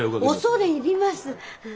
恐れ入ります。